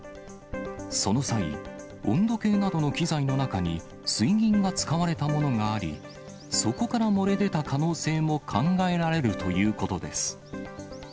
その際、温度計などの機材の中に、水銀が使われたものがあり、そこから漏れ出た可能性も考えられるということです。